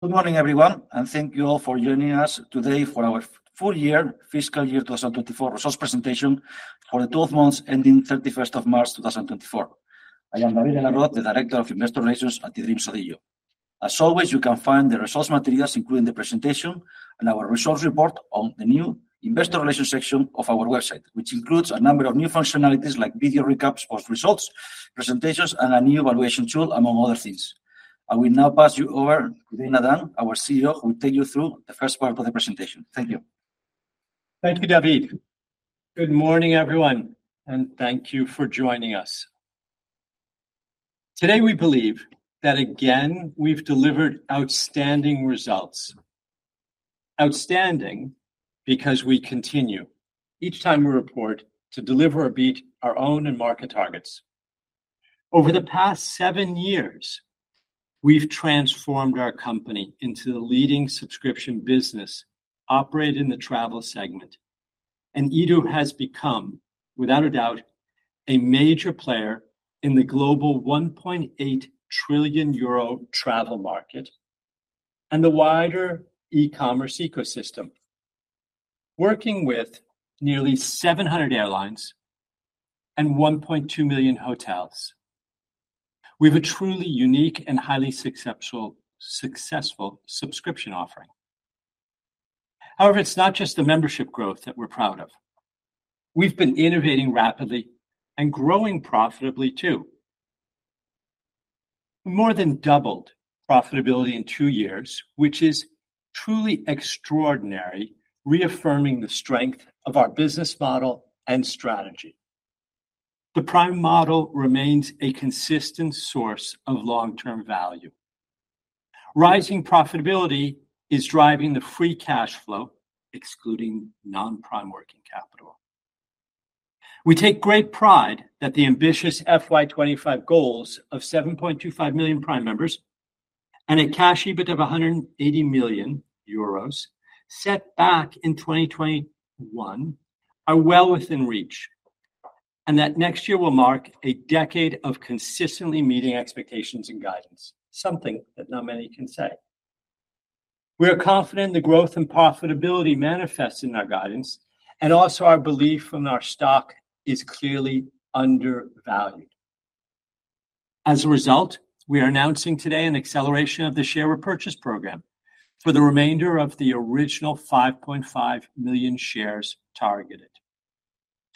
Good morning, everyone, and thank you all for joining us today for our full year, fiscal year 2024 results presentation for the twelve months ending 31st of March, 2024. I am David Alloza, the Director of Investor Relations at eDreams ODIGEO. As always, you can find the results materials, including the presentation and our results report, on the new investor relations section of our website, which includes a number of new functionalities, like video recaps of results, presentations, and a new evaluation tool, among other things. I will now pass you over to Dana, our CEO, who will take you through the first part of the presentation. Thank you. Thank you, David. Good morning, everyone, and thank you for joining us. Today, we believe that, again, we've delivered outstanding results. Outstanding, because we continue, each time we report, to deliver or beat our own and market targets. Over the past 7 years, we've transformed our company into the leading subscription business operating in the travel segment, and edo has become, without a doubt, a major player in the global 1.8 trillion euro travel market and the wider e-commerce ecosystem. Working with nearly 700 airlines and 1.2 million hotels, we have a truly unique and highly successful, successful subscription offering. However, it's not just the membership growth that we're proud of. We've been innovating rapidly and growing profitably, too. More than doubled profitability in 2 years, which is truly extraordinary, reaffirming the strength of our business model and strategy. The Prime model remains a consistent source of long-term value. Rising profitability is driving the free cash flow, excluding non-Prime working capital. We take great pride that the ambitious FY 25 goals of 7.25 million Prime members and a cash EBIT of 180 million euros, set back in 2021, are well within reach, and that next year will mark a decade of consistently meeting expectations and guidance, something that not many can say. We are confident the growth and profitability manifests in our guidance, and also our belief from our stock is clearly undervalued. As a result, we are announcing today an acceleration of the share repurchase program for the remainder of the original 5.5 million shares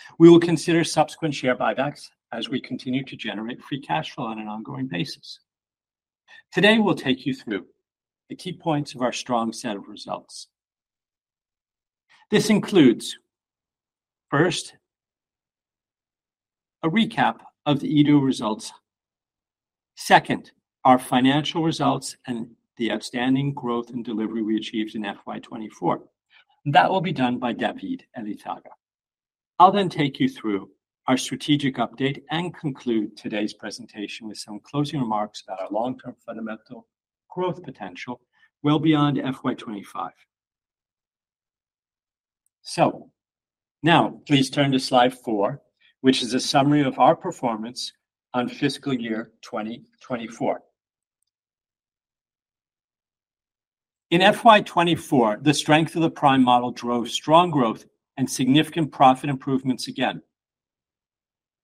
targeted. We will consider subsequent share buybacks as we continue to generate free cash flow on an ongoing basis. Today, we'll take you through the key points of our strong set of results. This includes, first, a recap of the eDO results. Second, our financial results and the outstanding growth and delivery we achieved in FY 2024. That will be done by David Elizaga. I'll then take you through our strategic update and conclude today's presentation with some closing remarks about our long-term fundamental growth potential well beyond FY 2025. So now please turn to slide 4, which is a summary of our performance on fiscal year 2024. In FY 2024, the strength of the Prime model drove strong growth and significant profit improvements again.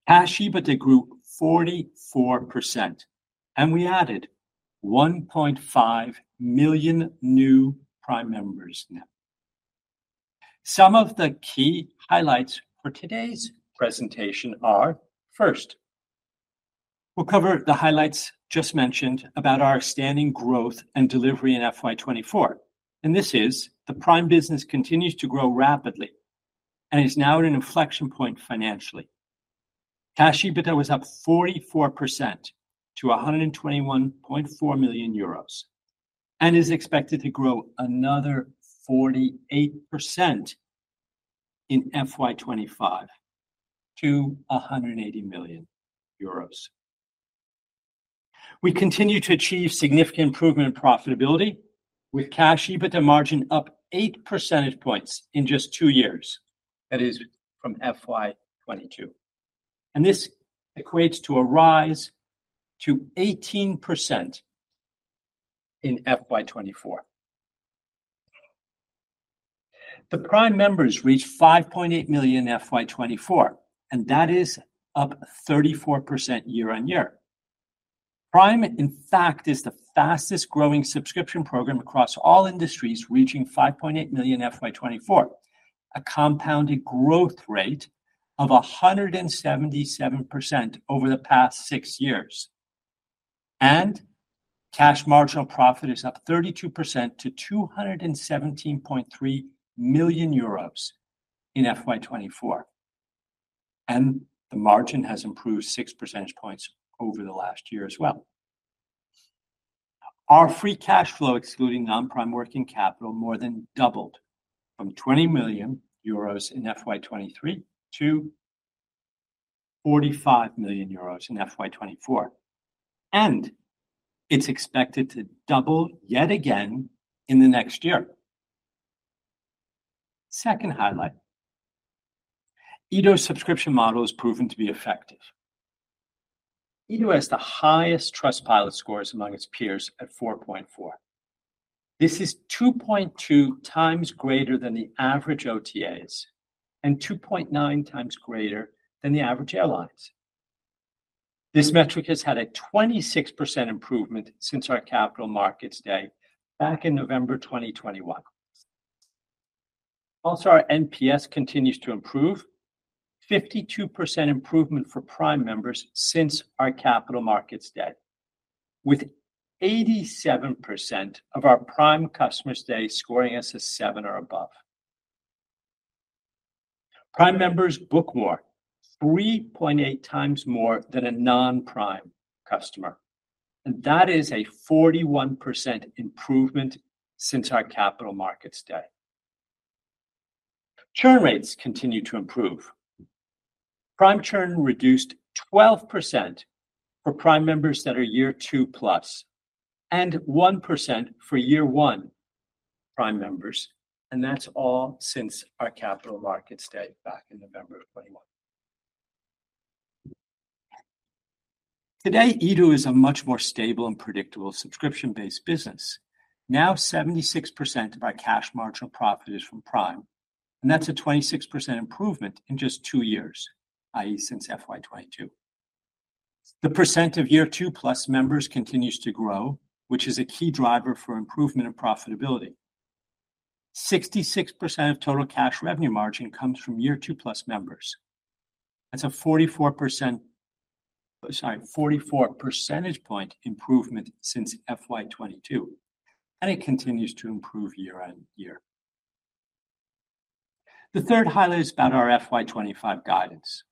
Cash EBITDA grew 44%, and we added 1.5 million new Prime members net. Some of the key highlights for today's presentation are: first, we'll cover the highlights just mentioned about our outstanding growth and delivery in FY 2024, and this is the Prime business continues to grow rapidly and is now at an inflection point financially. Cash EBITDA was up 44% to 121.4 million euros and is expected to grow another 48% in FY 2025 to EUR 180 million. We continue to achieve significant improvement in profitability, with cash EBITDA margin up eight percentage points in just two years, that is, from FY 2022, and this equates to a rise to 18% in FY 2024. The Prime members reached 5.8 million in FY 2024, and that is up 34% year-on-year. Prime, in fact, is the fastest growing subscription program across all industries, reaching 5.8 million in FY 2024, a compounded growth rate of 177% over the past six years. Cash marginal profit is up 32% to 217.3 million euros in FY 2024, and the margin has improved six percentage points over the last year as well. Our free cash flow, excluding non-Prime working capital, more than doubled from 20 million euros in FY 2023 to 45 million euros in FY 2024, and it's expected to double yet again in the next year. Second highlight, eDO subscription model is proven to be effective. eDO has the highest Trustpilot scores among its peers at 4.4. This is 2.2 times greater than the average OTAs, and 2.9 times greater than the average airlines. This metric has had a 26% improvement since our capital markets day back in November 2021. Also, our NPS continues to improve. 52% improvement for Prime members since our capital markets day, with 87% of our Prime customers today scoring us a seven or above. Prime members book more, 3.8 times more than a non-Prime customer, and that is a 41% improvement since our capital markets day. Churn rates continue to improve. Prime churn reduced 12% for Prime members that are year two plus, and 1% for year one Prime members, and that's all since our capital markets day back in November of 2021. Today, eDO is a much more stable and predictable subscription-based business. Now, 76% of our cash marginal profit is from Prime, and that's a 26% improvement in just two years, i.e., since FY 2022. The percent of year two-plus members continues to grow, which is a key driver for improvement in profitability. 66% of total cash revenue margin comes from year two-plus members. That's a 44%, sorry, 44 percentage point improvement since FY 2022, and it continues to improve year-on-year. The third highlight is about our FY 2025 guidance.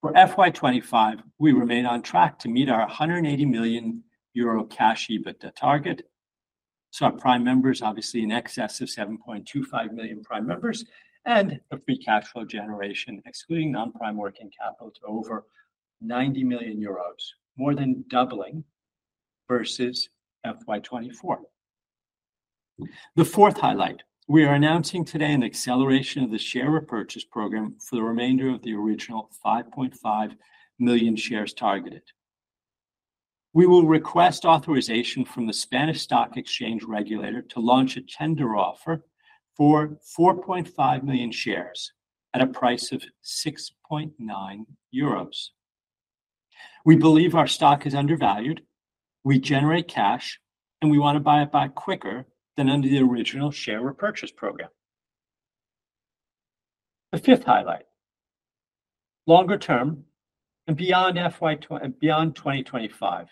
For FY 2025, we remain on track to meet our 180 million euro cash EBITDA target. So our Prime members, obviously in excess of 7.25 million Prime members, and a free cash flow generation, excluding non-Prime working capital, to over 90 million euros, more than doubling versus FY 2024. The fourth highlight, we are announcing today an acceleration of the share repurchase program for the remainder of the original 5.5 million shares targeted. We will request authorization from the Spanish Stock Exchange regulator to launch a tender offer for 4.5 million shares at a price of 6.9 euros. We believe our stock is undervalued, we generate cash, and we want to buy it back quicker than under the original share repurchase program. The fifth highlight, longer term and beyond FY 2025,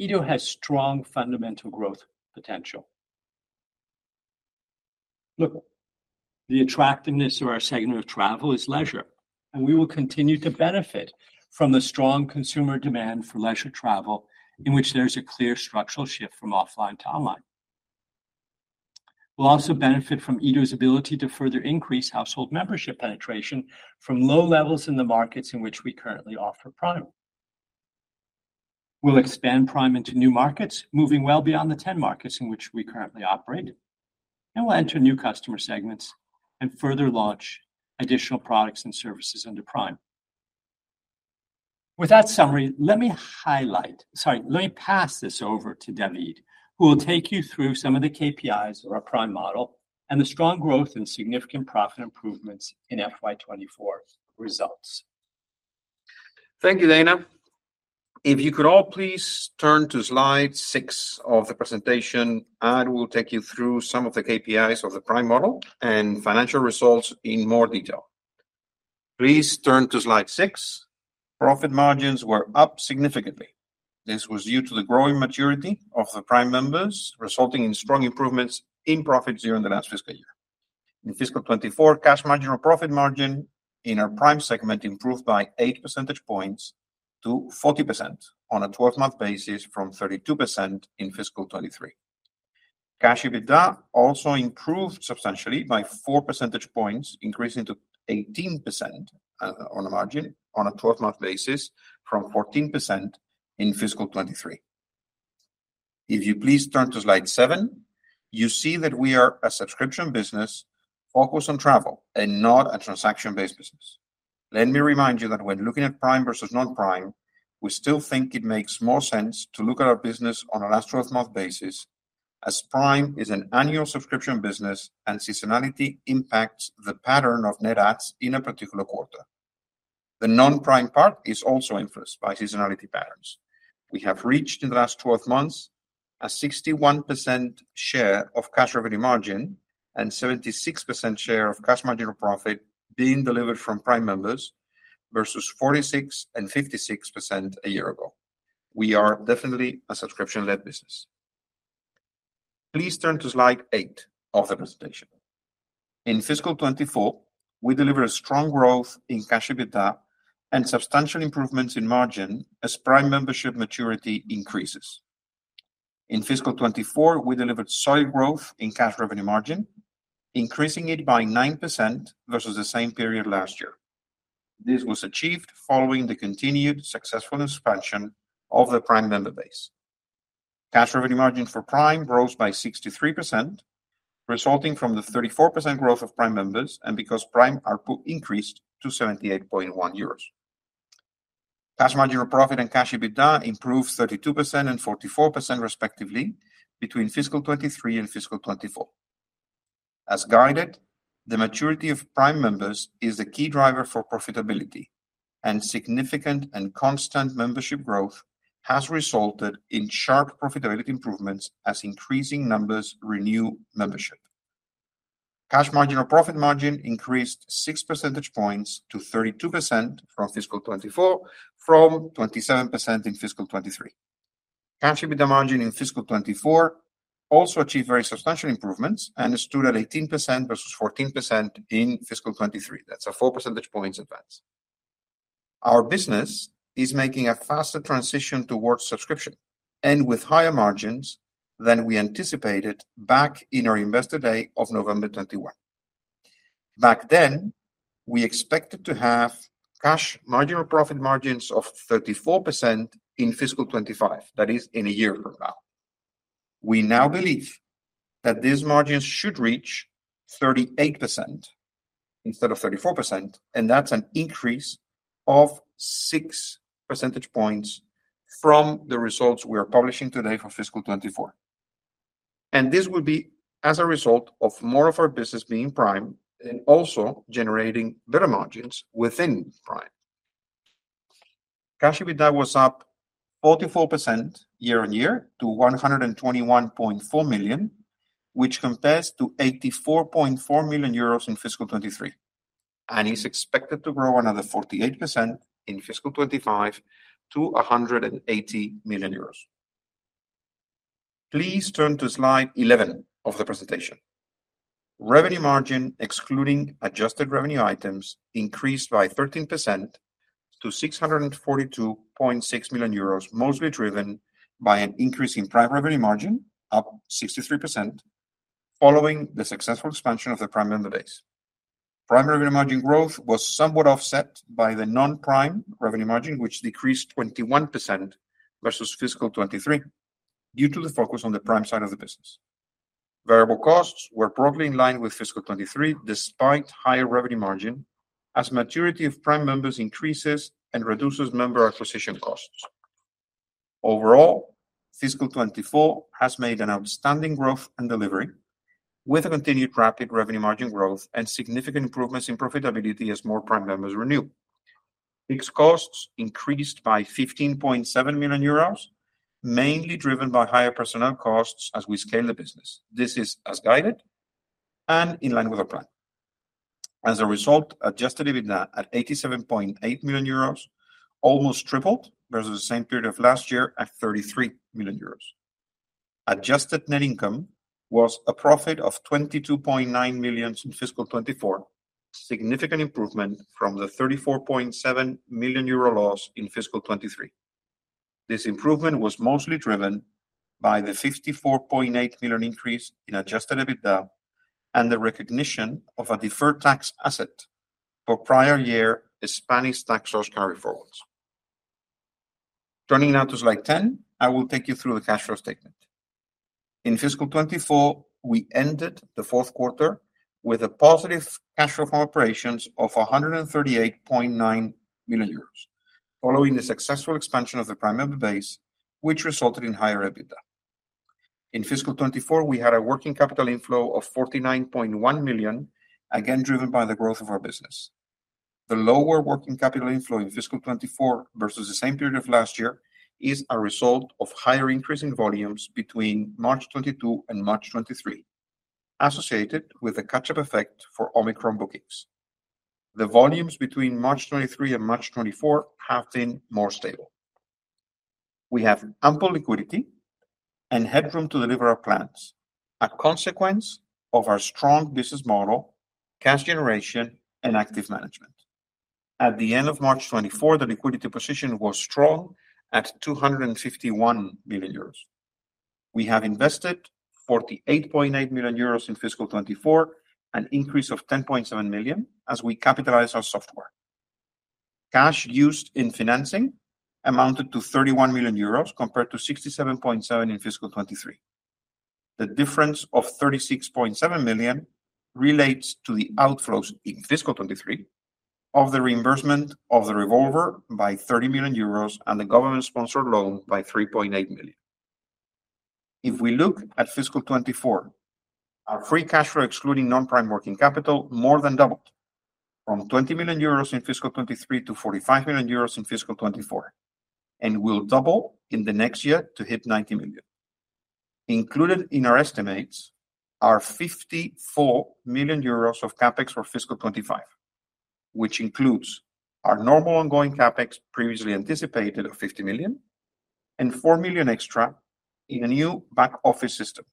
eDO has strong fundamental growth potential. Look, the attractiveness of our segment of travel is leisure, and we will continue to benefit from the strong consumer demand for leisure travel, in which there is a clear structural shift from offline to online. We'll also benefit from eDO's ability to further increase household membership penetration from low levels in the markets in which we currently offer product. We'll expand Prime into new markets, moving well beyond the 10 markets in which we currently operate, and we'll enter new customer segments and further launch additional products and services under Prime. With that summary, let me highlight, sorry, let me pass this over to David, who will take you through some of the KPIs of our Prime model and the strong growth and significant profit improvements in FY 2024 results. Thank you, Dana. If you could all please turn to slide 6 of the presentation, I will take you through some of the KPIs of the Prime model and financial results in more detail. Please turn to slide 6. Profit margins were up significantly. This was due to the growing maturity of the Prime members, resulting in strong improvements in profits during the last fiscal year. In fiscal 2024, Cash Marginal Profit margin in our Prime segment improved by 8 percentage points to 40% on a 12-month basis, from 32% in fiscal 2023. Cash EBITDA also improved substantially by 4 percentage points, increasing to 18% on a margin on a 12-month basis, from 14% in fiscal 2023. If you please turn to slide 7, you see that we are a subscription business focused on travel and not a transaction-based business. Let me remind you that when looking at Prime versus non-Prime, we still think it makes more sense to look at our business on a last twelve-month basis, as Prime is an annual subscription business and seasonality impacts the pattern of net adds in a particular quarter. The non-Prime part is also influenced by seasonality patterns. We have reached, in the last twelve months, a 61% share of Cash Revenue Margin and 76% share of Cash Marginal Profit being delivered from Prime members, versus 46% and 56% a year ago. We are definitely a subscription-led business. Please turn to slide 8 of the presentation. In fiscal 2024, we delivered a strong growth in Cash EBITDA and substantial improvements in margin as Prime membership maturity increases. In fiscal 2024, we delivered solid growth in Cash Revenue Margin, increasing it by 9% versus the same period last year. This was achieved following the continued successful expansion of the Prime member base. Cash revenue margin for Prime grows by 63%, resulting from the 34% growth of Prime members, and because Prime ARPU increased to 78.1 euros. Cash margin or profit and cash EBITDA improved 32% and 44%, respectively, between fiscal 2023 and fiscal 2024. As guided, the maturity of Prime members is the key driver for profitability, and significant and constant membership growth has resulted in sharp profitability improvements as increasing numbers renew membership. Cash margin or profit margin increased six percentage points to 32% from fiscal 2024, from 27% in fiscal 2023. Cash EBITDA margin in fiscal 2024 also achieved very substantial improvements and stood at 18% versus 14% in fiscal 2023. That's a four percentage points advance. Our business is making a faster transition towards subscription and with higher margins than we anticipated back in our Investor Day of November 2021. Back then, we expected to have cash marginal profit margins of 34% in fiscal 2025, that is, in a year from now. We now believe that these margins should reach 38% instead of 34%, and that's an increase of six percentage points from the results we are publishing today for fiscal 2024. This will be as a result of more of our business being Prime and also generating better margins within Prime. Cash EBITDA was up 44% year-on-year to 121.4 million, which compares to 84.4 million euros in fiscal 2023, and is expected to grow another 48% in fiscal 2025 to 180 million euros. Please turn to slide 11 of the presentation. Revenue margin, excluding adjusted revenue items, increased by 13% to 642.6 million euros, mostly driven by an increase in Prime revenue margin, up 63%, following the successful expansion of the Prime member base. Prime revenue margin growth was somewhat offset by the non-Prime revenue margin, which decreased 21% versus fiscal 2023, due to the focus on the Prime side of the business. Variable costs were broadly in line with fiscal 2023, despite higher revenue margin, as maturity of Prime members increases and reduces member acquisition costs. Overall, fiscal 2024 has made an outstanding growth and delivery, with a continued rapid revenue margin growth and significant improvements in profitability as more Prime members renew. Fixed costs increased by 15.7 million euros, mainly driven by higher personnel costs as we scale the business. This is as guided and in line with our plan. As a result, adjusted EBITDA at 87.8 million euros, almost tripled versus the same period of last year at 33 million euros. Adjusted net income was a profit of 22.9 million in fiscal 2024, significant improvement from the 34.7 million euro loss in fiscal 2023. This improvement was mostly driven by the 54.8 million increase in adjusted EBITDA and the recognition of a deferred tax asset for prior year Spanish tax loss carryforwards. Turning now to slide 10, I will take you through the cash flow statement. In fiscal 2024, we ended the fourth quarter with a positive cash flow from operations of 138.9 million euros, following the successful expansion of the Prime member base, which resulted in higher EBITDA. In fiscal 2024, we had a working capital inflow of 49.1 million, again, driven by the growth of our business. The lower working capital inflow in fiscal 2024 versus the same period of last year is a result of higher increase in volumes between March 2022 and March 2023, associated with a catch-up effect for Omicron bookings. The volumes between March 2023 and March 2024 have been more stable. We have ample liquidity and headroom to deliver our plans, a consequence of our strong business model, cash generation, and active management. At the end of March 2024, the liquidity position was strong at 251 million euros. We have invested 48.8 million euros in fiscal 2024, an increase of 10.7 million, as we capitalize our software. Cash used in financing amounted to 31 million euros, compared to 67.7 million in fiscal 2023. The difference of 36.7 million relates to the outflows in fiscal 2023 of the reimbursement of the revolver by 30 million euros and the government-sponsored loan by 3.8 million. If we look at fiscal 2024, our free cash flow, excluding non-Prime working capital, more than doubled from 20 million euros in fiscal 2023 to 45 million euros in fiscal 2024, and will double in the next year to hit 90 million. Included in our estimates are 54 million euros of CapEx for fiscal 2025, which includes our normal ongoing CapEx, previously anticipated of 50 million, and 4 million extra in a new back-office system.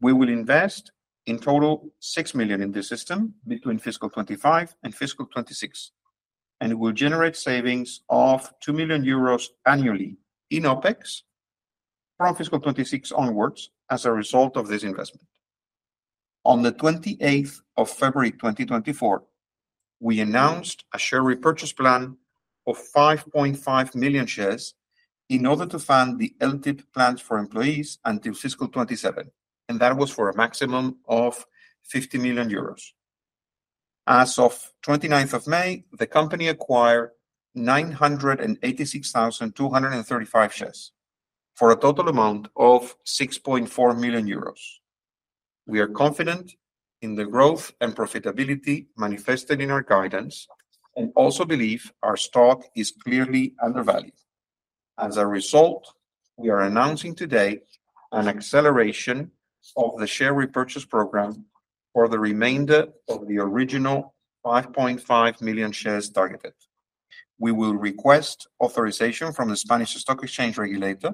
We will invest in total 6 million in this system between fiscal 2025 and fiscal 2026, and it will generate savings of 2 million euros annually in OpEx from fiscal 2026 onwards as a result of this investment. On the 28th of February 2024, we announced a share repurchase plan of 5.5 million shares in order to fund the LTIP plans for employees until fiscal 2027, and that was for a maximum of 50 million euros. As of 29th of May, the company acquired 986,235 shares, for a total amount of 6.4 million euros. We are confident in the growth and profitability manifested in our guidance, and also believe our stock is clearly undervalued. As a result, we are announcing today an acceleration of the share repurchase program for the remainder of the original 5.5 million shares targeted. We will request authorization from the Spanish Stock Exchange regulator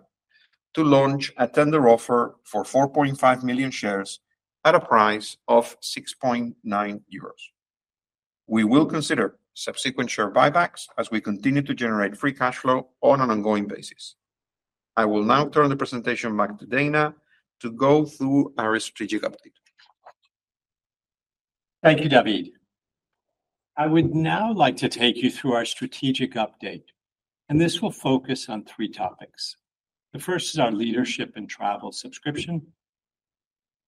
to launch a tender offer for 4.5 million shares at a price of 6.9 euros. We will consider subsequent share buybacks as we continue to generate free cash flow on an ongoing basis. I will now turn the presentation back to Dana to go through our strategic update. Thank you, David. I would now like to take you through our strategic update, and this will focus on 3 topics. The first is our leadership and travel subscription.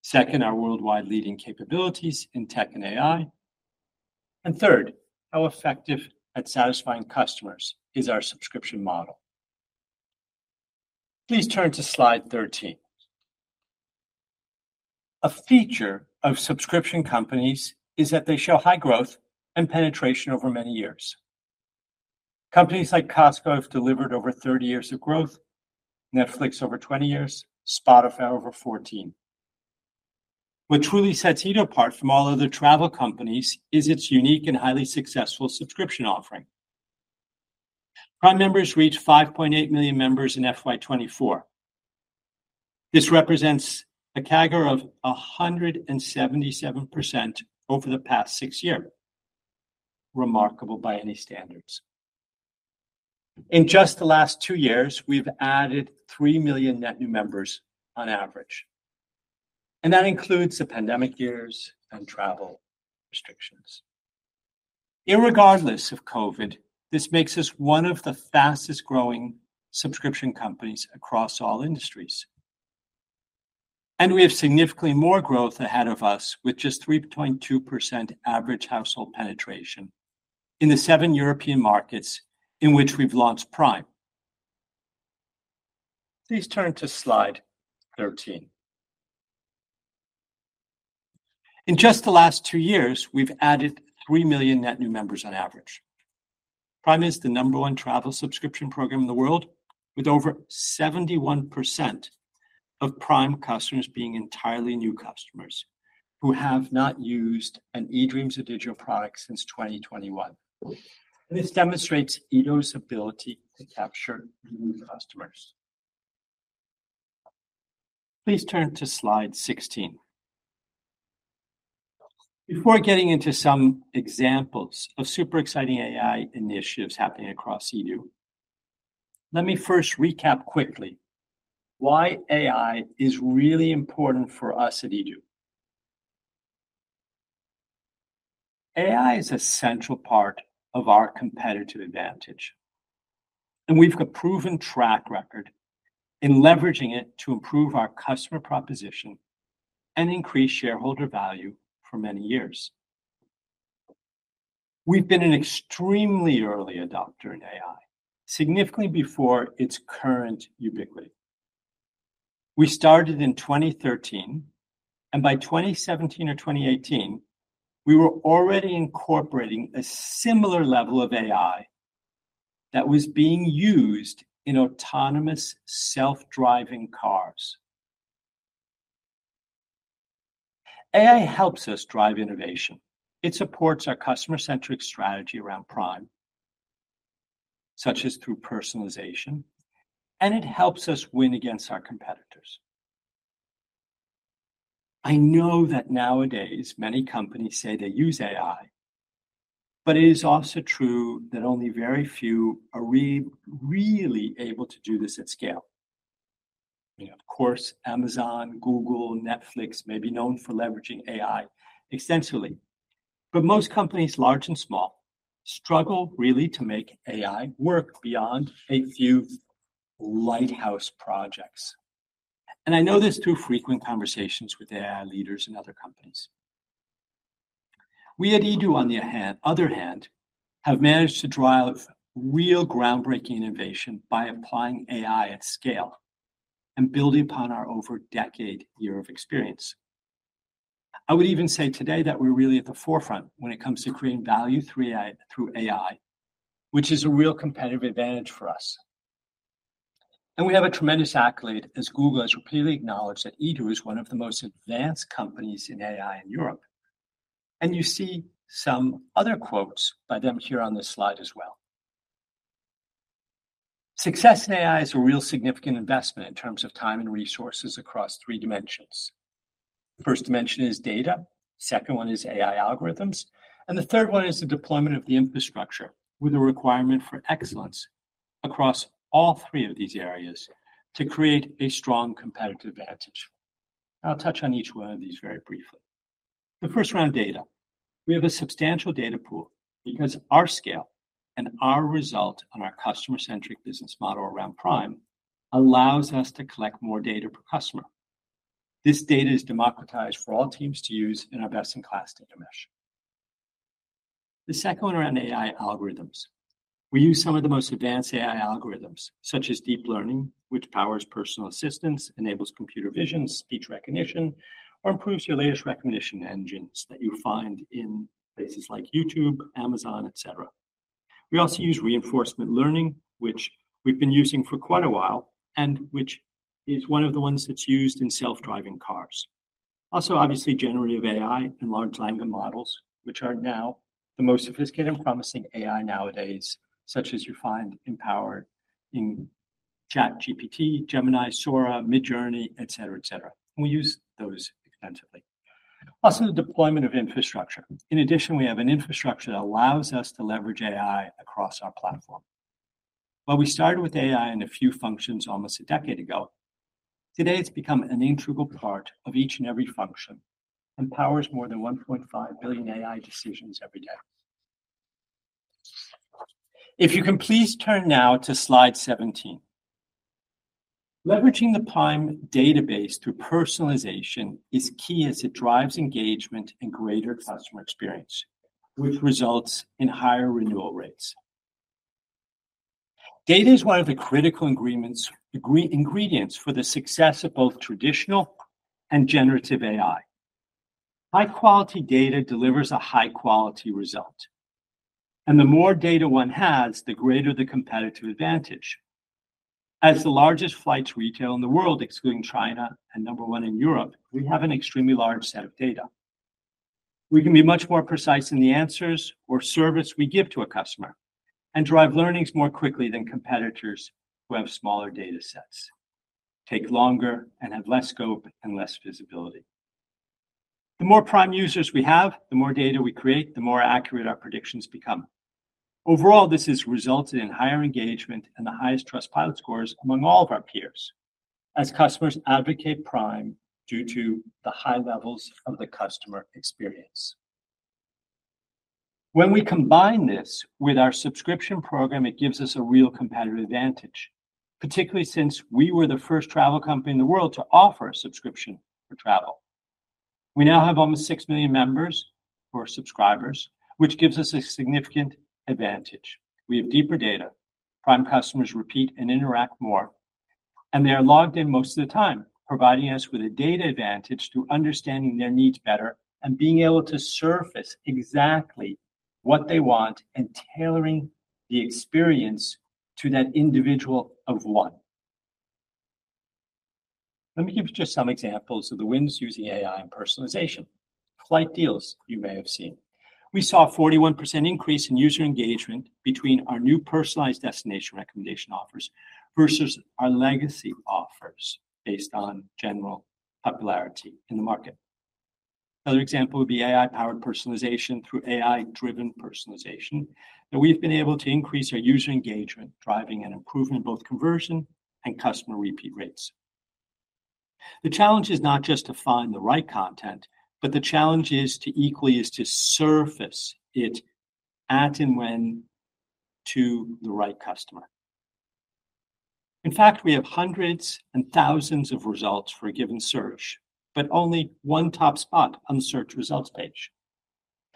Second, our worldwide leading capabilities in tech and AI. And third, how effective at satisfying customers is our subscription model? Please turn to slide 13. A feature of subscription companies is that they show high growth and penetration over many years. Companies like Costco have delivered over 30 years of growth, Netflix over 20 years, Spotify over 14. What truly sets eDreams apart from all other travel companies is its unique and highly successful subscription offering. Prime members reached 5.8 million members in FY 2024. This represents a CAGR of 177% over the past 6 years. Remarkable by any standards. In just the last two years, we've added 3 million net new members on average, and that includes the pandemic years and travel restrictions. Irregardless of COVID, this makes us one of the fastest-growing subscription companies across all industries, and we have significantly more growth ahead of us, with just 3.2% average household penetration in the 7 European markets in which we've launched Prime. Please turn to slide 13. In just the last two years, we've added 3 million net new members on average. Prime is the number one travel subscription program in the world, with over 71% of Prime customers being entirely new customers who have not used an eDreams or ODIGEO product since 2021. This demonstrates eDreams' ability to capture new customers. Please turn to slide 16. Before getting into some examples of super exciting AI initiatives happening across EDO, let me first recap quickly why AI is really important for us at EDO. AI is a central part of our competitive advantage, and we've got proven track record in leveraging it to improve our customer proposition and increase shareholder value for many years. We've been an extremely early adopter in AI, significantly before its current ubiquity. We started in 2013, and by 2017 or 2018, we were already incorporating a similar level of AI that was being used in autonomous self-driving cars. AI helps us drive innovation. It supports our customer-centric strategy around Prime, such as through personalization, and it helps us win against our competitors. I know that nowadays many companies say they use AI, but it is also true that only very few are really able to do this at scale. Of course, Amazon, Google, Netflix may be known for leveraging AI extensively, but most companies, large and small, struggle really to make AI work beyond a few lighthouse projects. I know this through frequent conversations with AI leaders in other companies. We at EDO, on the other hand, have managed to drive real groundbreaking innovation by applying AI at scale and building upon our over decade year of experience. I would even say today that we're really at the forefront when it comes to creating value through AI, through AI, which is a real competitive advantage for us. And we have a tremendous accolade, as Google has repeatedly acknowledged that EDO is one of the most advanced companies in AI in Europe, and you see some other quotes by them here on this slide as well. Success in AI is a real significant investment in terms of time and resources across three dimensions. The first dimension is data, second one is AI algorithms, and the third one is the deployment of the infrastructure with a requirement for excellence across all three of these areas to create a strong competitive advantage. I'll touch on each one of these very briefly. The first one, data. We have a substantial data pool because our scale and our reliance on our customer-centric business model around Prime allows us to collect more data per customer. This data is democratized for all teams to use in our best-in-class Data Mesh. The second one around AI algorithms. We use some of the most advanced AI algorithms, such as deep learning, which powers personal assistance, enables computer vision, speech recognition, or improves your latest recognition engines that you find in places like YouTube, Amazon, et cetera. We also use reinforcement learning, which we've been using for quite a while, and which is one of the ones that's used in self-driving cars. Also, obviously, generative AI and large language models, which are now the most sophisticated and promising AI nowadays, such as you find empowered in ChatGPT, Gemini, Sora, Midjourney, et cetera, et cetera. We use those extensively. Also, the deployment of infrastructure. In addition, we have an infrastructure that allows us to leverage AI across our platform. While we started with AI in a few functions almost a decade ago, today, it's become an integral part of each and every function, and powers more than 1.5 billion AI decisions every day. If you can please turn now to slide 17. Leveraging the Prime database through personalization is key as it drives engagement and greater customer experience, which results in higher renewal rates. Data is one of the critical ingredients for the success of both traditional and generative AI. High-quality data delivers a high-quality result, and the more data one has, the greater the competitive advantage. As the largest flight retailer in the world, excluding China and number one in Europe, we have an extremely large set of data. We can be much more precise in the answers or service we give to a customer and drive learnings more quickly than competitors who have smaller data sets, take longer, and have less scope and less visibility. The more Prime users we have, the more data we create, the more accurate our predictions become. Overall, this has resulted in higher engagement and the highest Trustpilot scores among all of our peers, as customers advocate Prime due to the high levels of the customer experience. When we combine this with our subscription program, it gives us a real competitive advantage, particularly since we were the first travel company in the world to offer a subscription for travel. We now have almost 6 million members or subscribers, which gives us a significant advantage. We have deeper data, Prime customers repeat and interact more, and they are logged in most of the time, providing us with a data advantage to understanding their needs better and being able to surface exactly what they want and tailoring the experience to that individual of one. Let me give you just some examples of the wins using AI and personalization. Flight deals you may have seen. We saw a 41% increase in user engagement between our new personalized destination recommendation offers versus our legacy offers based on general popularity in the market. Other example would be AI-powered personalization through AI-driven personalization, and we've been able to increase our user engagement, driving an improvement in both conversion and customer repeat rates. The challenge is not just to find the right content, but the challenge is to surface it at and when to the right customer. In fact, we have hundreds and thousands of results for a given search, but only one top spot on the search results page.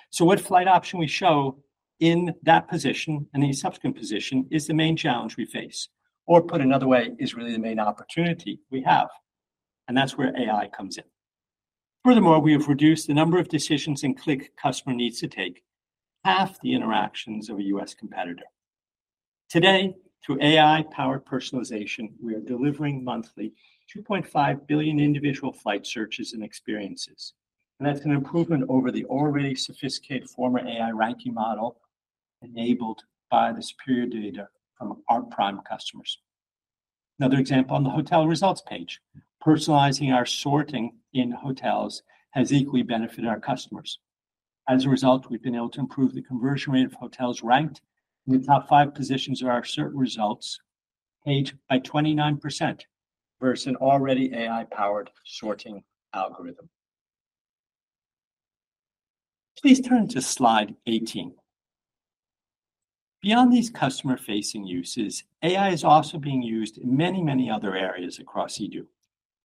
So what flight option we show in that position and any subsequent position is the main challenge we face, or put another way, is really the main opportunity we have, and that's where AI comes in. Furthermore, we have reduced the number of decisions and click customer needs to take, half the interactions of a US competitor. Today, through AI-powered personalization, we are delivering monthly 2.5 billion individual flight searches and experiences, and that's an improvement over the already sophisticated former AI ranking model, enabled by the superior data from our Prime customers. Another example, on the hotel results page, personalizing our sorting in hotels has equally benefited our customers. As a result, we've been able to improve the conversion rate of hotels ranked in the top five positions of our search results page by 29%, versus an already AI-powered sorting algorithm. Please turn to slide 18. Beyond these customer-facing uses, AI is also being used in many, many other areas across Edu,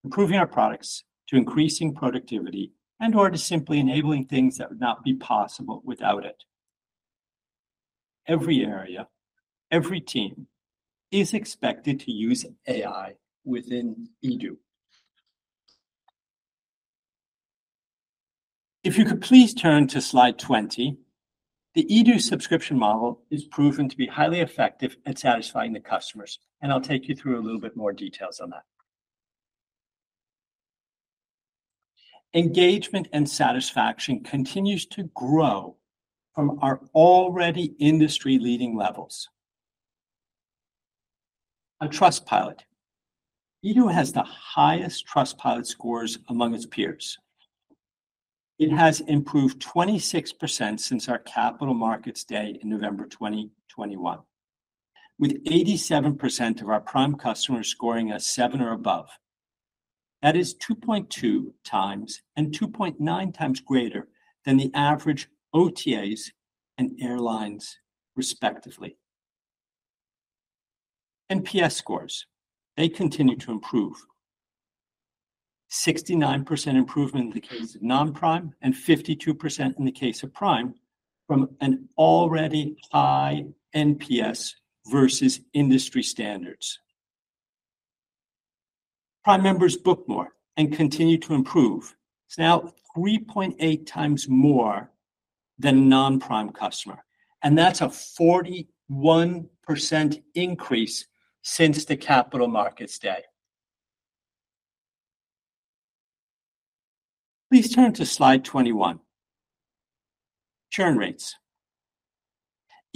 improving our products to increasing productivity and/or to simply enabling things that would not be possible without it. Every area, every team, is expected to use AI within Edu. If you could please turn to slide 20. The Edu subscription model is proven to be highly effective at satisfying the customers, and I'll take you through a little bit more details on that. Engagement and satisfaction continues to grow from our already industry-leading levels. At Trustpilot, Edu has the highest Trustpilot scores among its peers. It has improved 26% since our capital markets day in November 2021, with 87% of our Prime customers scoring a seven or above. That is 2.2 times and 2.9 times greater than the average OTAs and airlines, respectively. NPS scores, they continue to improve. 69% improvement in the case of non-Prime, and 52% in the case of Prime, from an already high NPS versus industry standards. Prime members book more and continue to improve. It's now 3.8 times more than non-Prime customer, and that's a 41% increase since the capital markets day. Please turn to slide 21. Churn rates.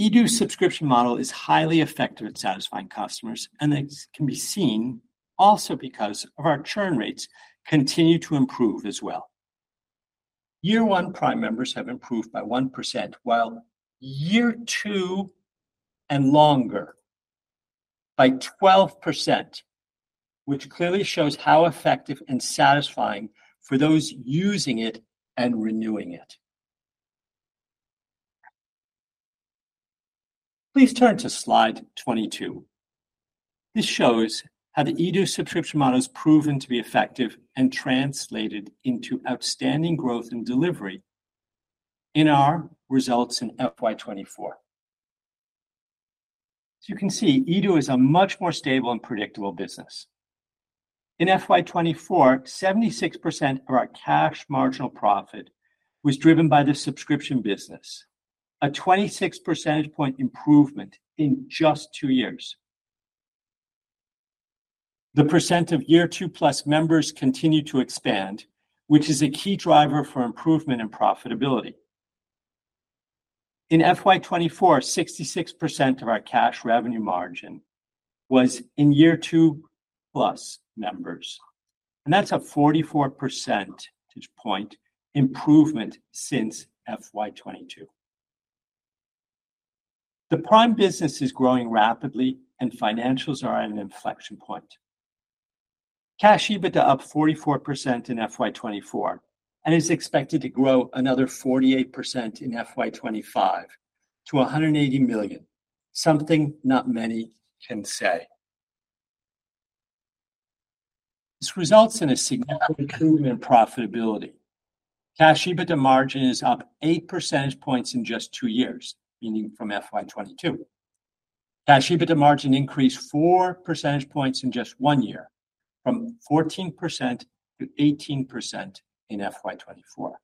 edu subscription model is highly effective at satisfying customers, and it can be seen also because of our churn rates continue to improve as well. Year one Prime members have improved by 1%, while year two and longer by 12%, which clearly shows how effective and satisfying for those using it and renewing it. Please turn to slide 22. This shows how the edu subscription model has proven to be effective and translated into outstanding growth and delivery in our results in FY 2024. So you can see, edu is a much more stable and predictable business. In FY 2024, 76% of our cash marginal profit was driven by the subscription business, a 26 percentage point improvement in just 2 years. The percent of year two plus members continue to expand, which is a key driver for improvement in profitability. In FY 2024, 66% of our cash revenue margin was in year two plus members, and that's a 44 percentage point improvement since FY 2022. The Prime business is growing rapidly and financials are at an inflection point. Cash EBITDA up 44% in FY 2024, and is expected to grow another 48% in FY 2025 to 180 million. Something not many can say. This results in a significant improvement in profitability. Cash EBITDA margin is up 8 percentage points in just two years, meaning from FY 2022. Cash EBITDA margin increased 4 percentage points in just one year, from 14% to 18% in FY 2024.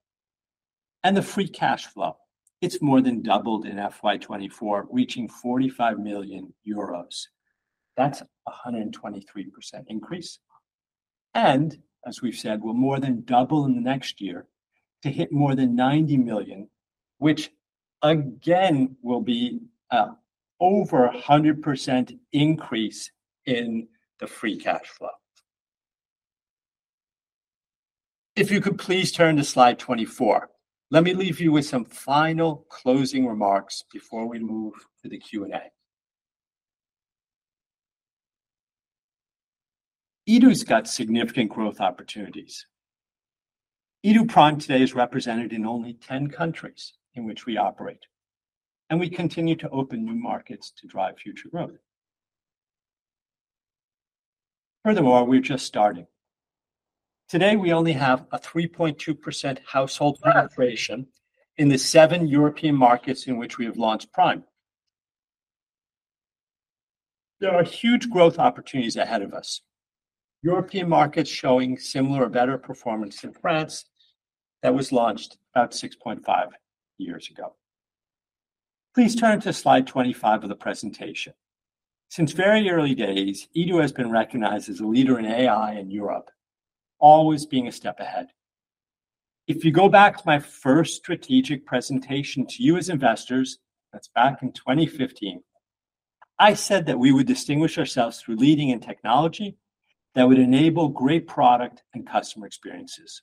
And the free cash flow, it's more than doubled in FY 2024, reaching 45 million euros. That's a 123% increase. And as we've said, will more than double in the next year to hit more than 90 million, which again, will be, over 100% increase in the free cash flow. If you could please turn to slide 24. Let me leave you with some final closing remarks before we move to the Q&A. edu's got significant growth opportunities. edu Prime today is represented in only 10 countries in which we operate, and we continue to open new markets to drive future growth. Furthermore, we're just starting. Today, we only have a 3.2% household penetration in the 7 European markets in which we have launched Prime. There are huge growth opportunities ahead of us. European markets showing similar or better performance in France that was launched about 6.5 years ago. Please turn to slide 25 of the presentation. Since very early days, edu has been recognized as a leader in AI in Europe, always being a step ahead. If you go back to my first strategic presentation to you as investors, that's back in 2015, I said that we would distinguish ourselves through leading in technology that would enable great product and customer experiences.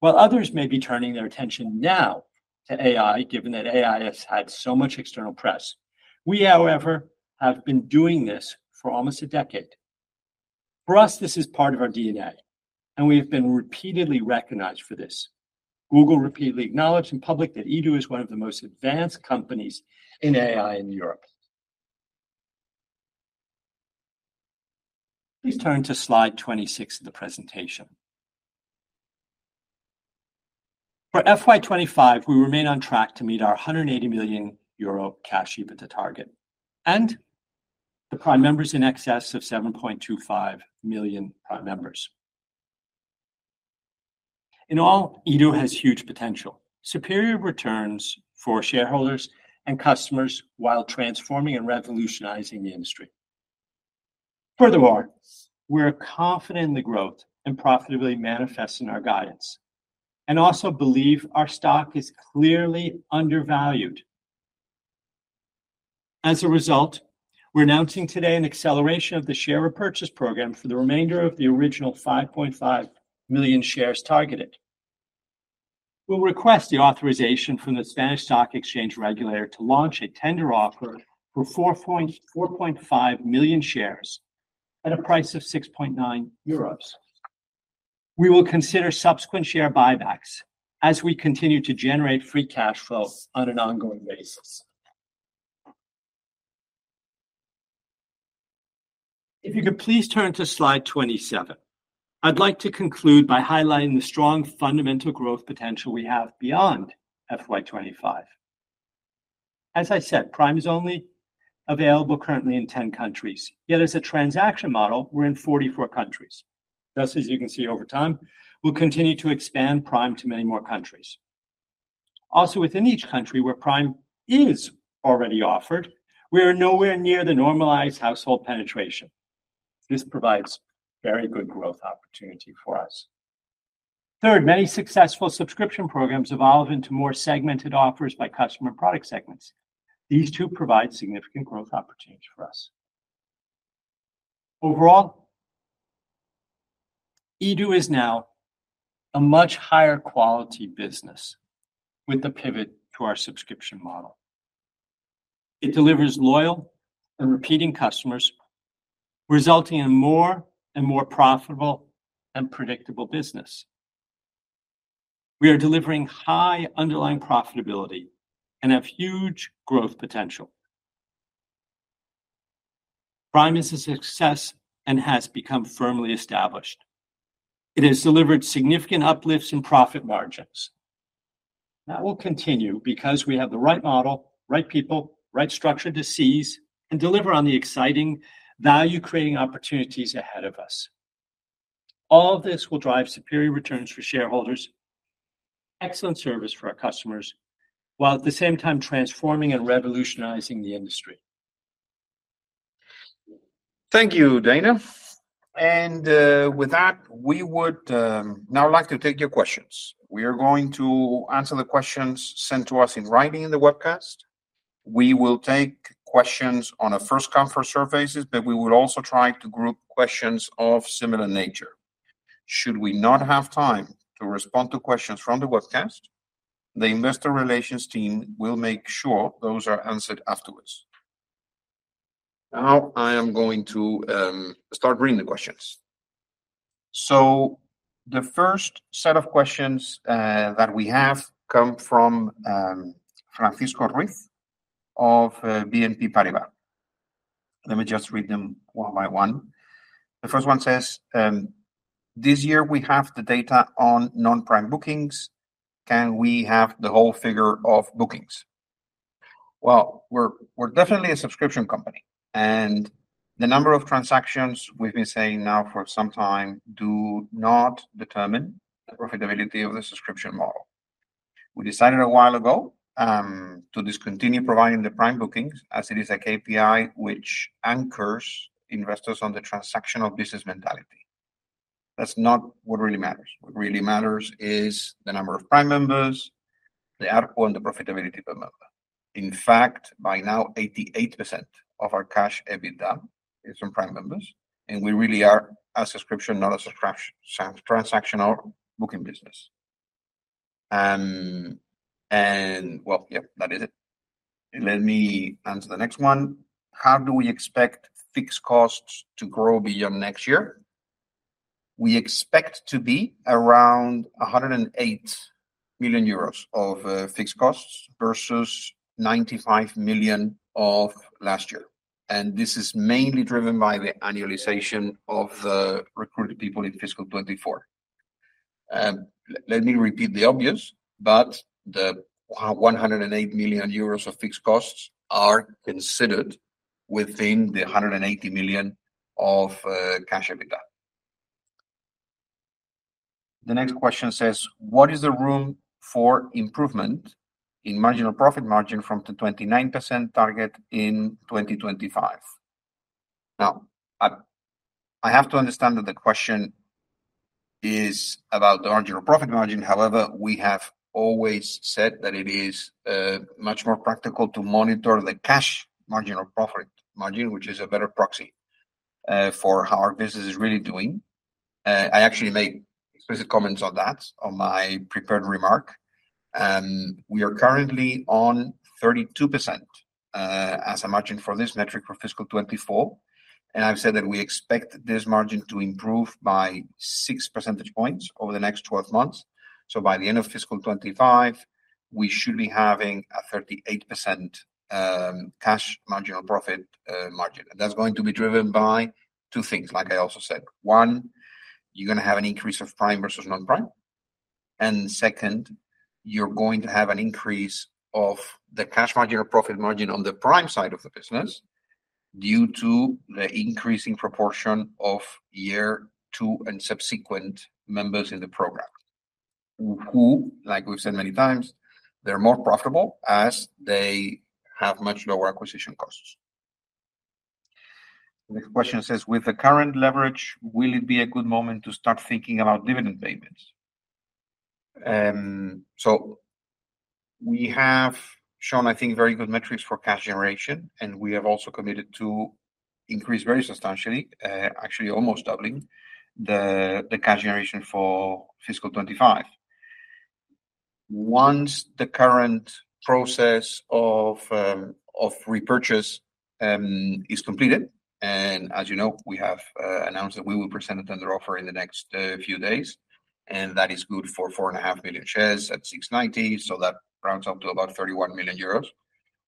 While others may be turning their attention now to AI, given that AI has had so much external press, we, however, have been doing this for almost a decade. For us, this is part of our DNA, and we have been repeatedly recognized for this. Google repeatedly acknowledged in public that edu is one of the most advanced companies in AI in Europe. Please turn to slide 26 of the presentation. For FY 2025, we remain on track to meet our 180 million euro cash EBITDA target, and Prime members in excess of 7.25 million Prime members. In all, edu has huge potential, superior returns for shareholders and customers while transforming and revolutionizing the industry. Furthermore, we're confident in the growth and profitability manifested in our guidance, and also believe our stock is clearly undervalued. As a result, we're announcing today an acceleration of the share repurchase program for the remainder of the original 5.5 million shares targeted. We'll request the authorization from the Spanish Stock Exchange regulator to launch a tender offer for 4.45 million shares at a price of 6.9 euros. We will consider subsequent share buybacks as we continue to generate free cash flow on an ongoing basis. If you could please turn to slide 27. I'd like to conclude by highlighting the strong fundamental growth potential we have beyond FY 2025. As I said, Prime is only available currently in 10 countries, yet as a transaction model, we're in 44 countries. Thus, as you can see, over time, we'll continue to expand Prime to many more countries. Also, within each country where Prime is already offered, we are nowhere near the normalized household penetration. This provides very good growth opportunity for us. Third, many successful subscription programs evolve into more segmented offers by customer product segments. These two provide significant growth opportunities for us. Overall, EDO is now a much higher quality business with the pivot to our subscription model. It delivers loyal and repeating customers, resulting in more and more profitable and predictable business. We are delivering high underlying profitability and have huge growth potential. Prime is a success and has become firmly established. It has delivered significant uplifts in profit margins. That will continue because we have the right model, right people, right structure to seize, and deliver on the exciting value-creating opportunities ahead of us. All this will drive superior returns for shareholders, excellent service for our customers, while at the same time transforming and revolutionizing the industry. Thank you, Dana. With that, we would now like to take your questions. We are going to answer the questions sent to us in writing in the webcast. We will take questions on a first-come, first-serve basis, but we will also try to group questions of similar nature. Should we not have time to respond to questions from the webcast, the investor relations team will make sure those are answered afterwards. Now, I am going to start reading the questions. The first set of questions that we have come from Francisco Ruiz of BNP Paribas. Let me just read them one by one. The first one says, "This year, we have the data on non-Prime bookings. Can we have the whole figure of bookings?" Well, we're, we're definitely a subscription company, and the number of transactions we've been saying now for some time do not determine the profitability of the subscription model. We decided a while ago to discontinue providing the Prime bookings as it is a KPI which anchors investors on the transaction of business mentality. That's not what really matters. What really matters is the number of Prime members, the ARPU, and the profitability per member. In fact, by now, 88% of our cash EBITDA is from Prime members, and we really are a subscription, not a subscription, trans-transactional booking business. And well, yeah, that is it. Let me answer the next one. "How do we expect fixed costs to grow beyond next year? We expect to be around 108 million euros of fixed costs versus 95 million of last year, and this is mainly driven by the annualization of the recruited people in fiscal 2024. Let me repeat the obvious, but the 108 million euros of fixed costs are considered within the 180 million of Cash EBITDA. The next question says, "What is the room for improvement in marginal profit margin from the 29% target in 2025?" Now, I have to understand that the question is about the marginal profit margin. However, we have always said that it is much more practical to monitor the cash marginal profit margin, which is a better proxy for how our business is really doing. I actually made explicit comments on that on my prepared remark, and we are currently on 32%, as a margin for this metric for fiscal 2024. And I've said that we expect this margin to improve by six percentage points over the next 12 months. So by the end of fiscal 2025, we should be having a 38%, Cash Marginal Profit margin. And that's going to be driven by two things, like I also said. One, you're gonna have an increase of Prime versus non-Prime. And second, you're going to have an increase of the Cash Marginal Profit margin on the Prime side of the business due to the increasing proportion of year 2 and subsequent members in the program, who, like we've said many times, they're more profitable as they have much lower acquisition costs... The next question says, "With the current leverage, will it be a good moment to start thinking about dividend payments?" So we have shown, I think, very good metrics for cash generation, and we have also committed to increase very substantially, actually almost doubling the cash generation for fiscal 2025. Once the current process of repurchase is completed, and as you know, we have announced that we will present a tender offer in the next few days, and that is good for 4.5 million shares at 6.90, so that rounds up to about 31 million euros.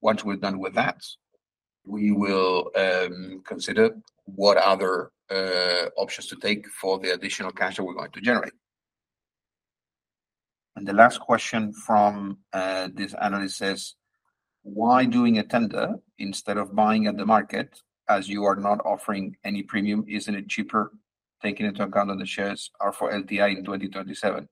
Once we're done with that, we will consider what other options to take for the additional cash that we're going to generate. And the last question from this analyst says, "Why doing a tender instead of buying at the market, as you are not offering any premium? Isn't it cheaper, taking into account that the shares are for LTI in 2027?"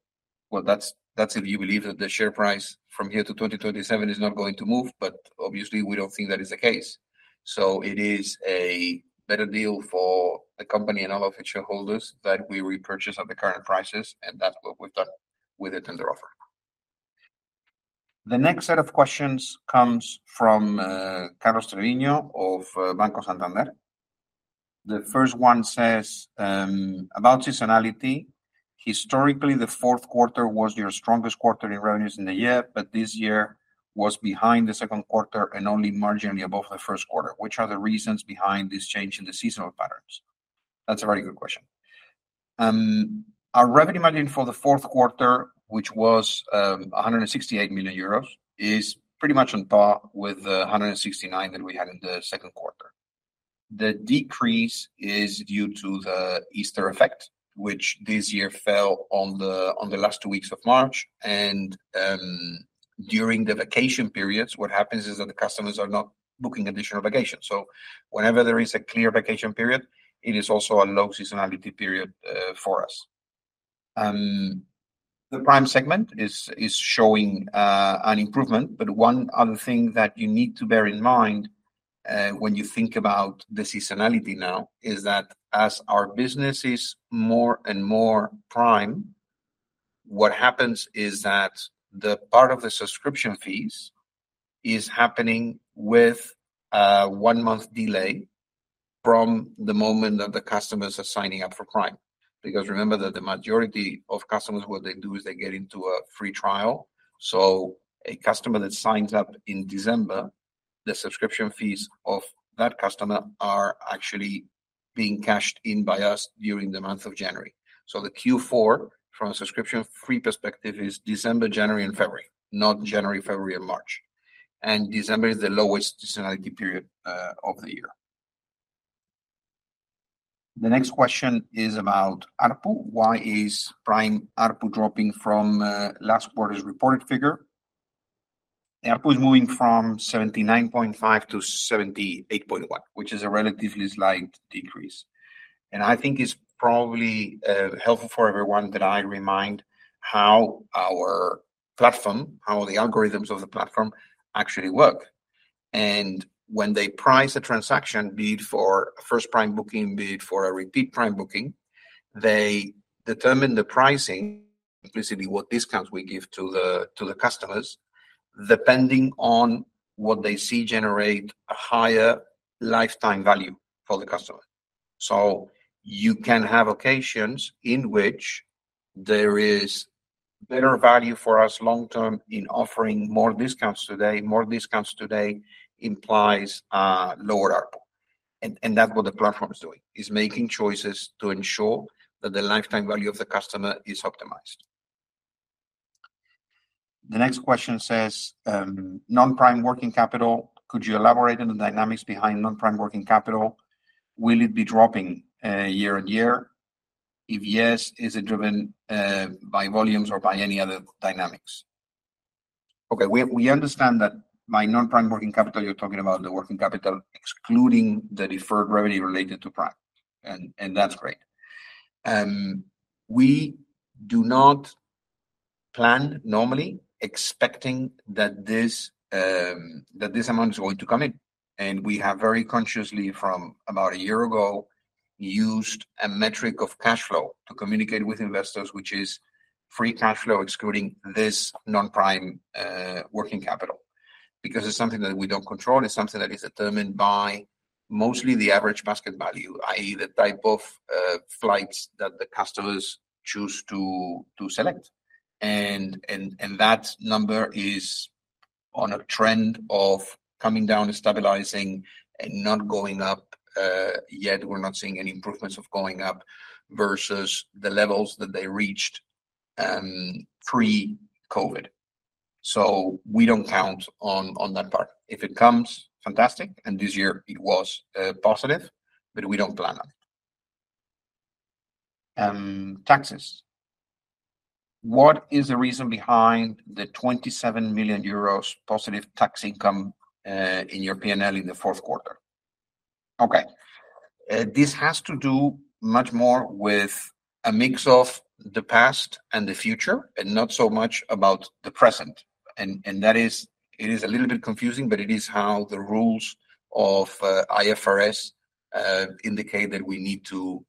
Well, that's, that's if you believe that the share price from here to 2027 is not going to move, but obviously we don't think that is the case. So it is a better deal for the company and all of its shareholders that we repurchase at the current prices, and that's what we've done with the tender offer. The next set of questions comes from Carlos Treviño of Banco Santander. The first one says, "About seasonality, historically, the fourth quarter was your strongest quarter in revenues in a year, but this year was behind the second quarter and only marginally above the first quarter. Which are the reasons behind this change in the seasonal patterns?" That's a very good question. Our revenue margin for the fourth quarter, which was 168 million euros, is pretty much on par with the 169 million that we had in the second quarter. The decrease is due to the Easter effect, which this year fell on the last two weeks of March, and during the vacation periods, what happens is that the customers are not booking additional vacations. So whenever there is a clear vacation period, it is also a low seasonality period for us. The Prime segment is showing an improvement, but one other thing that you need to bear in mind, when you think about the seasonality now, is that as our business is more and more Prime, what happens is that the part of the subscription fees is happening with a one-month delay from the moment that the customers are signing up for Prime. Because remember that the majority of customers, what they do is they get into a free trial. So a customer that signs up in December, the subscription fees of that customer are actually being cashed in by us during the month of January. So the Q4, from a subscription fee perspective, is December, January, and February, not January, February, and March, and December is the lowest seasonality period, of the year. The next question is about ARPU: "Why is Prime ARPU dropping from last quarter's reported figure?" ARPU is moving from 79.5-78.1, which is a relatively slight decrease. And I think it's probably helpful for everyone that I remind how our platform, how the algorithms of the platform actually work. And when they price a transaction, be it for first Prime booking, be it for a repeat Prime booking, they determine the pricing, basically what discounts we give to the, to the customers, depending on what they see generate a higher lifetime value for the customer. So you can have occasions in which there is better value for us long term in offering more discounts today. More discounts today implies lower ARPU, and, and that's what the platform is doing. It's making choices to ensure that the lifetime value of the customer is optimized. The next question says, "Non-Prime working capital. Could you elaborate on the dynamics behind non-Prime working capital? Will it be dropping, year on year? If yes, is it driven, by volumes or by any other dynamics?" Okay, we understand that by non-Prime working capital, you're talking about the working capital, excluding the deferred revenue related to Prime, and that's great. We do not plan normally expecting that this, that this amount is going to come in. And we have very consciously, from about a year ago, used a metric of cash flow to communicate with investors, which is free cash flow, excluding this non-Prime working capital, because it's something that we don't control. It's something that is determined by mostly the average basket value, i.e., the type of flights that the customers choose to select. And that number is on a trend of coming down and stabilizing and not going up. Yet, we're not seeing any improvements of going up versus the levels that they reached pre-COVID. So we don't count on that part. If it comes, fantastic, and this year it was positive, but we don't plan on it. Taxes. "What is the reason behind the 27 million euros positive tax income in your P&L in the fourth quarter?" Okay, this has to do much more with a mix of the past and the future, and not so much about the present. And that is, it is a little bit confusing, but it is how the rules of IFRS indicate that we need to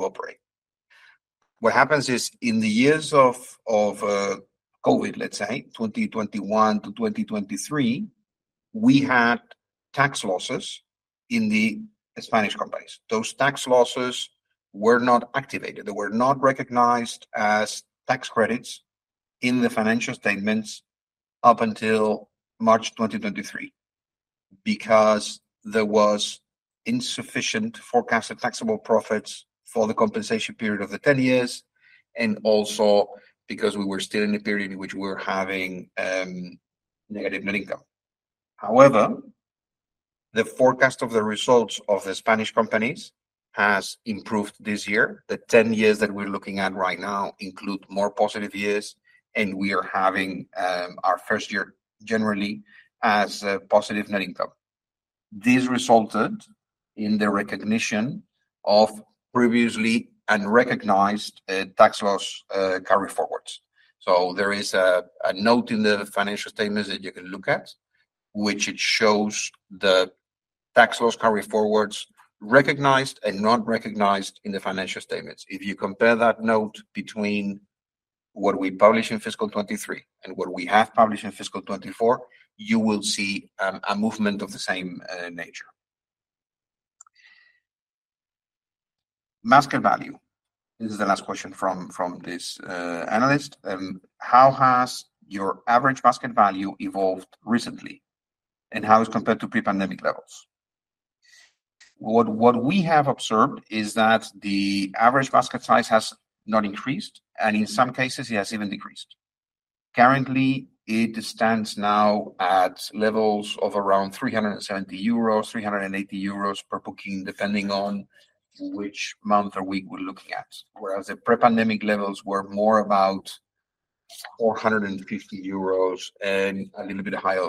operate. What happens is, in the years of COVID, let's say, 2021-2023, we had tax losses in the Spanish companies. Those tax losses were not activated. They were not recognized as tax credits in the financial statements up until March 2023, because there was insufficient forecasted taxable profits for the compensation period of the 10 years, and also because we were still in a period in which we were having negative net income. However, the forecast of the results of the Spanish companies has improved this year. The 10 years that we're looking at right now include more positive years, and we are having our first year generally as a positive net income. This resulted in the recognition of previously unrecognized tax loss carry-forwards. So there is a note in the financial statements that you can look at, which it shows the tax loss carry-forwards recognized and not recognized in the financial statements. If you compare that note between what we published in fiscal 2023 and what we have published in fiscal 2024, you will see a movement of the same nature. Basket value, this is the last question from this analyst. How has your average basket value evolved recently, and how is compared to pre-pandemic levels? What we have observed is that the average basket size has not increased, and in some cases, it has even decreased. Currently, it stands now at levels of around 370-380 euros per booking, depending on which month or week we're looking at, whereas the pre-pandemic levels were more about 450 euros and a little bit higher,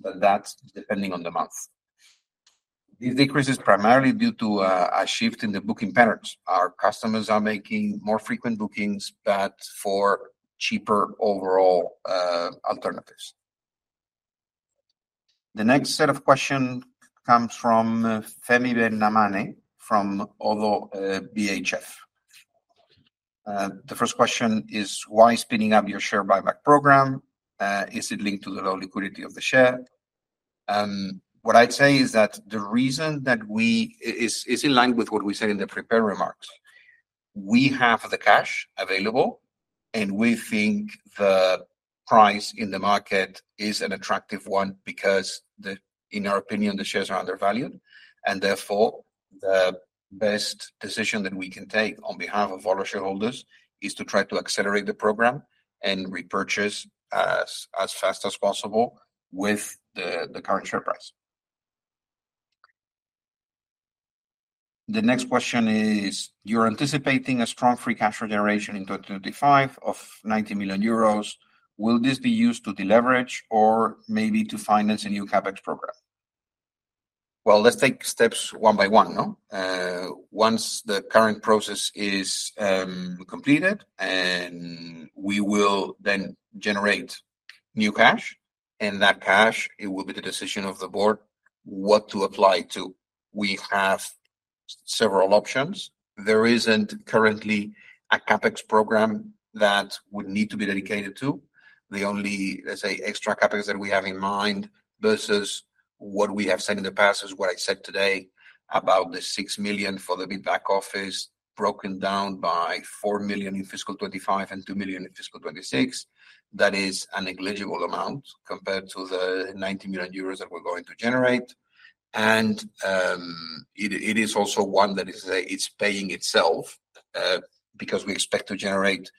but that's depending on the month. This decrease is primarily due to a shift in the booking patterns. Our customers are making more frequent bookings, but for cheaper overall, alternatives. The next set of question comes from Fehmi Ben Naamane from Oddo BHF. The first question is, why spinning up your share buyback program? Is it linked to the low liquidity of the share? What I'd say is that the reason that we... It is in line with what we said in the prepared remarks. We have the cash available, and we think the price in the market is an attractive one because, in our opinion, the shares are undervalued, and therefore, the best decision that we can take on behalf of all our shareholders is to try to accelerate the program and repurchase as fast as possible with the current share price. The next question is, you're anticipating a strong Free Cash Flow generation in 2025 of 90 million euros. Will this be used to deleverage or maybe to finance a new CapEx program? Well, let's take steps one by one, no? Once the current process is completed, and we will then generate new cash, and that cash, it will be the decision of the board what to apply to. We have several options. There isn't currently a CapEx program that would need to be dedicated to. The only, let's say, extra CapEx that we have in mind, versus what we have said in the past, is what I said today about the 6 million for the bid back office, broken down by 4 million in fiscal 2025 and 2 million in fiscal 2026. That is a negligible amount compared to the 90 million euros that we're going to generate, and it is also one that is paying itself, because we expect to generate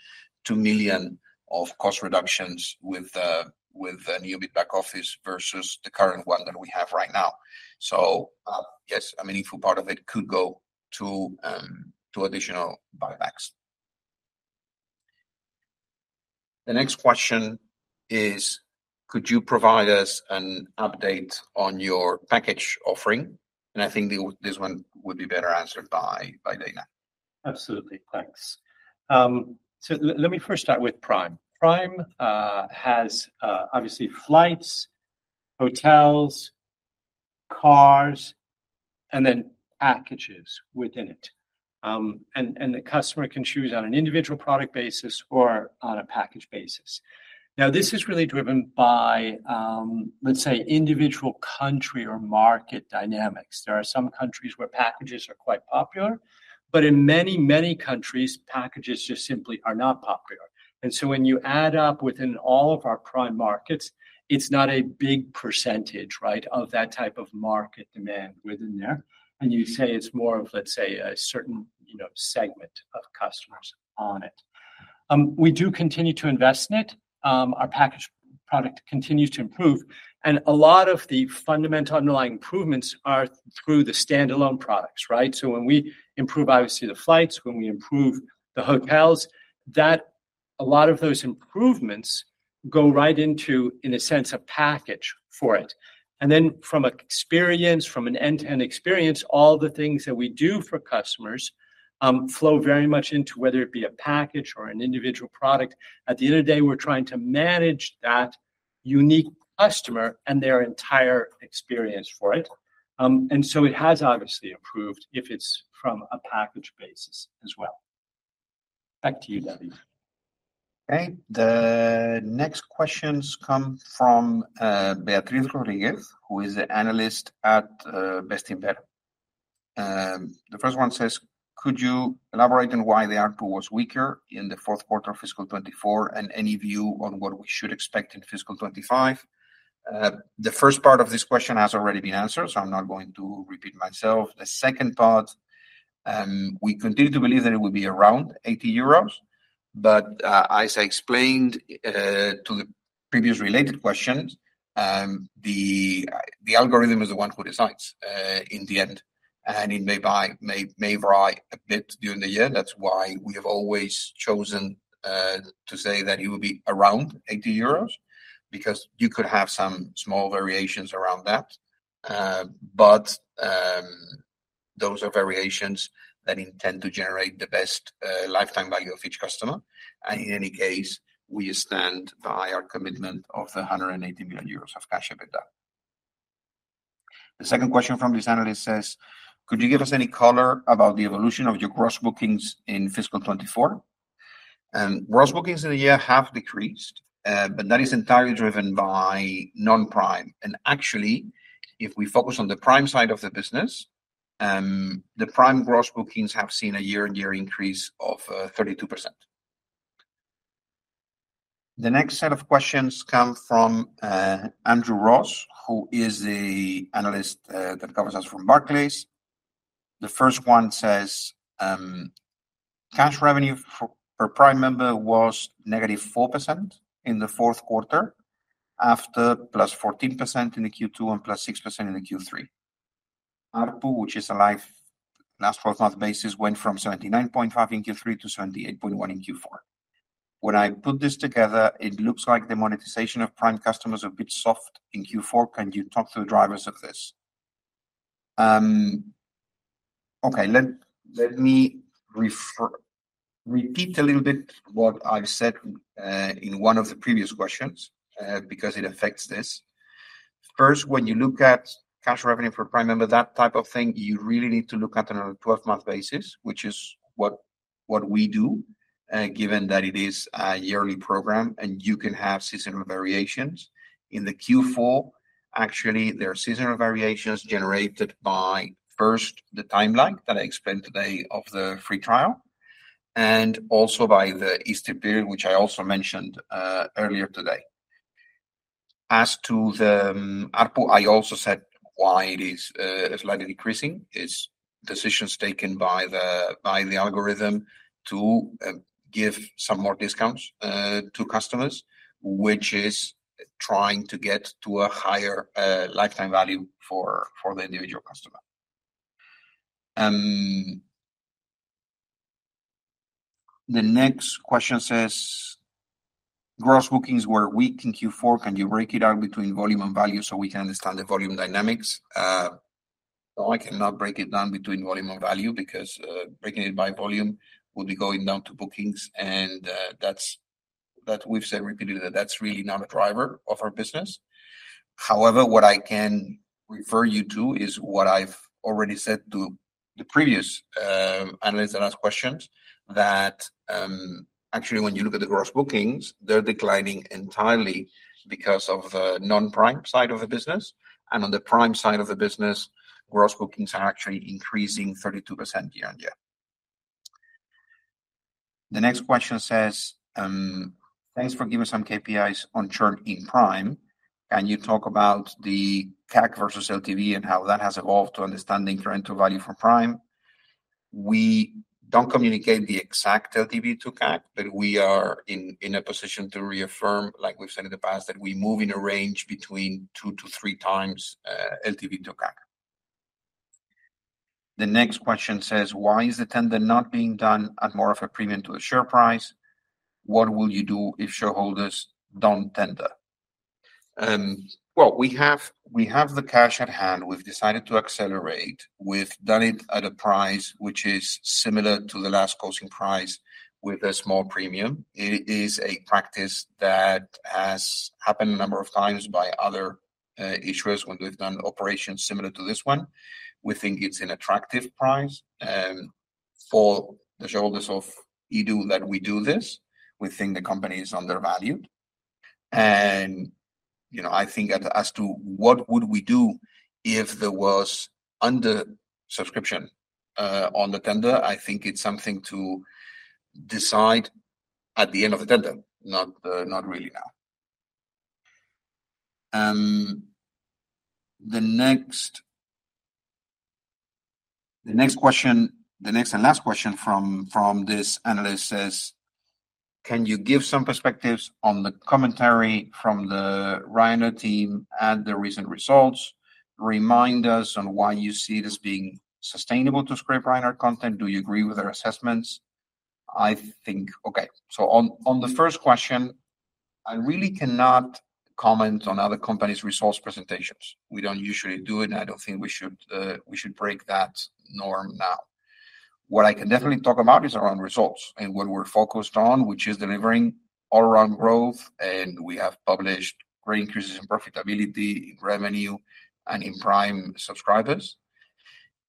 2 million of cost reductions with the new bid back office versus the current one that we have right now. So, yes, a meaningful part of it could go to additional buybacks. The next question is, could you provide us an update on your package offering? And I think the... This one would be better answered by Dana. Absolutely. Thanks. So let me first start with Prime. Prime has obviously flights, hotels, cars, and then packages within it. And the customer can choose on an individual product basis or on a package basis. Now, this is really driven by, let's say, individual country or market dynamics. There are some countries where packages are quite popular, but in many, many countries, packages just simply are not popular. And so when you add up within all of our Prime markets, it's not a big percentage, right, of that type of market demand within there. And you say it's more of, let's say, a certain, you know, segment of customers on it. We do continue to invest in it. Our package product continues to improve, and a lot of the fundamental underlying improvements are through the standalone products, right? So when we improve, obviously, the flights, when we improve the hotels, a lot of those improvements go right into, in a sense, a package for it. And then from experience, from an end-to-end experience, all the things that we do for customers flow very much into whether it be a package or an individual product. At the end of the day, we're trying to manage that unique customer and their entire experience for it. And so it has obviously improved, if it's from a package basis as well. Back to you, David. Okay. The next questions come from Beatriz Rodríguez, who is the analyst at Bestinver. The first one says, "Could you elaborate on why the ARPU was weaker in the fourth quarter of fiscal 2024, and any view on what we should expect in fiscal 2025?" The first part of this question has already been answered, so I'm not going to repeat myself. The second part, we continue to believe that it will be around 80 euros. But, as I explained, to the previous related questions, the algorithm is the one who decides in the end, and it may vary a bit during the year. That's why we have always chosen to say that it will be around 80 euros, because you could have some small variations around that. But, those are variations that intend to generate the best, lifetime value of each customer. And in any case, we stand by our commitment of 180 million euros of cash EBITDA. The second question from this analyst says, "Could you give us any color about the evolution of your gross bookings in fiscal 2024?" Gross bookings in the year have decreased, but that is entirely driven by non-Prime. And actually, if we focus on the Prime side of the business, the Prime gross bookings have seen a year-on-year increase of, 32%. The next set of questions come from, Andrew Ross, who is the analyst, that covers us from Barclays. The first one says, "Cash revenue for per Prime member was -4% in the fourth quarter, after +14% in the Q2 and +6% in the Q3. ARPU, which is a live last twelve-month basis, went from 79.5 in Q3-EUR 78.1 in Q4. When I put this together, it looks like the monetization of Prime customers are a bit soft in Q4. Can you talk through the drivers of this?" Okay, let me repeat a little bit what I've said in one of the previous questions, because it affects this. First, when you look at cash revenue for Prime member, that type of thing, you really need to look at it on a 12-month basis, which is what we do, given that it is a yearly program, and you can have seasonal variations. In Q4, actually, there are seasonal variations generated by, first, the timeline that I explained today of the free trial, and also by the Easter period, which I also mentioned earlier today. As to the ARPU, I also said why it is slightly decreasing. It's decisions taken by the algorithm to give some more discounts to customers, which is trying to get to a higher lifetime value for the individual customer. The next question says, "Gross bookings were weak in Q4. Can you break it out between volume and value so we can understand the volume dynamics?" No, I cannot break it down between volume and value, because breaking it by volume would be going down to bookings, and that's, that we've said repeatedly that that's really not a driver of our business. However, what I can refer you to is what I've already said to the previous analysts that asked questions, that actually, when you look at the gross bookings, they're declining entirely because of non-Prime side of the business. And on the Prime side of the business, gross bookings are actually increasing 32% year-on-year. The next question says, "Thanks for giving some KPIs on churn in Prime. Can you talk about the CAC versus LTV and how that has evolved to understanding current value from Prime?" We don't communicate the exact LTV to CAC, but we are in a position to reaffirm, like we've said in the past, that we move in a range between 2-3 times LTV to CAC. The next question says, "Why is the tender not being done at more of a premium to the share price? What will you do if shareholders don't tender?" Well, we have the cash at hand. We've decided to accelerate. We've done it at a price which is similar to the last closing price with a small premium. It is a practice that has happened a number of times by other issuers when we've done operations similar to this one. We think it's an attractive price for the shareholders of EDO that we do this. We think the company is undervalued. And, you know, I think as to what would we do if there was under subscription on the tender, I think it's something to decide at the end of the tender, not, not really now. The next question... The next and last question from this analyst says, "Can you give some perspectives on the commentary from the Ryanair team and the recent results? Remind us on why you see this being sustainable to scrape Ryanair content. Do you agree with their assessments?" I think, okay, so on the first question... I really cannot comment on other companies' resource presentations. We don't usually do it, and I don't think we should break that norm now. What I can definitely talk about is our own results and what we're focused on, which is delivering all around growth, and we have published great increases in profitability, in revenue, and in Prime subscribers.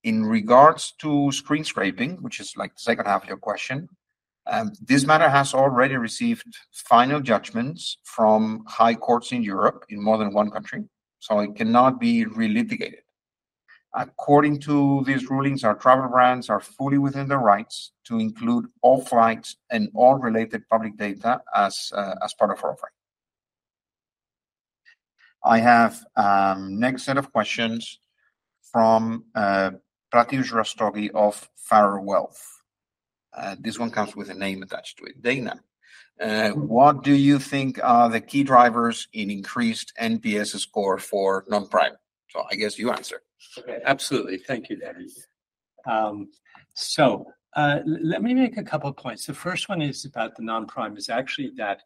In regards to screen scraping, which is, like, the second half of your question, this matter has already received final judgments from high courts in Europe in more than one country, so it cannot be relitigated. According to these rulings, our travel brands are fully within their rights to include all flights and all related public data as, as part of our offering. I have, next set of questions from, Prateek Rastogi of Stifel. This one comes with a name attached to it. Dana, what do you think are the key drivers in increased NPS score for non-Prime? So I guess you answer. Okay, absolutely. Thank you, David. So, let me make a couple of points. The first one is about the non-Prime, is actually that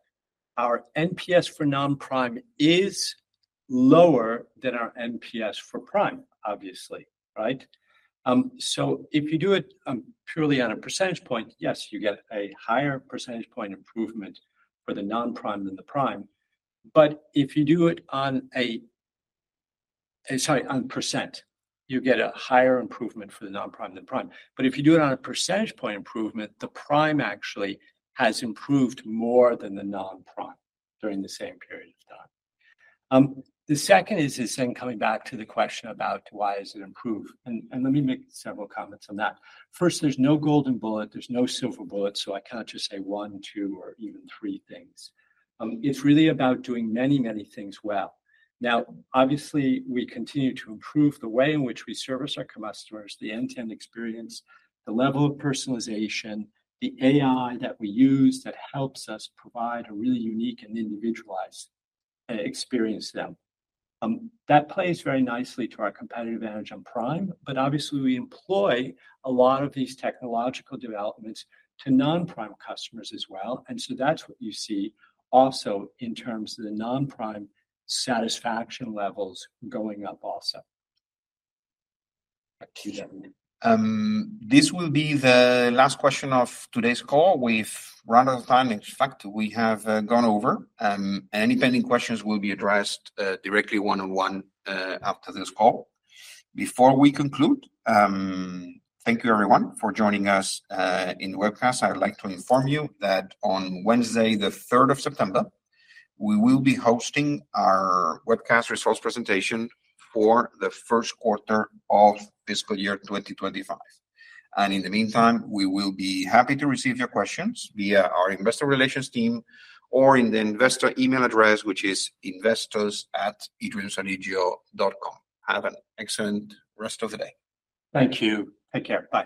our NPS for non-Prime is lower than our NPS for Prime, obviously, right? So if you do it, purely on a percentage point, yes, you get a higher percentage point improvement for the non-Prime than the Prime. But if you do it on a, sorry, on percent, you get a higher improvement for the non-Prime than Prime. But if you do it on a percentage point improvement, the Prime actually has improved more than the non-Prime during the same period of time. The second is then coming back to the question about why is it improved, and let me make several comments on that. First, there's no golden bullet, there's no silver bullet, so I can't just say one, two, or even three things. It's really about doing many, many things well. Now, obviously, we continue to improve the way in which we service our customers, the end-to-end experience, the level of personalization, the AI that we use that helps us provide a really unique and individualized experience to them. That plays very nicely to our competitive advantage on Prime, but obviously, we employ a lot of these technological developments to non-Prime customers as well, and so that's what you see also in terms of the non-Prime satisfaction levels going up also. Thank you, David. This will be the last question of today's call. We've run out of time. In fact, we have gone over. Any pending questions will be addressed directly, one-on-one, after this call. Before we conclude, thank you everyone for joining us in the webcast. I'd like to inform you that on Wednesday, the third of September, we will be hosting our webcast resource presentation for the first quarter of fiscal year 2025. And in the meantime, we will be happy to receive your questions via our investor relations team or in the investor email address, which is investors@edreamsodigeo.com. Have an excellent rest of the day. Thank you. Take care. Bye.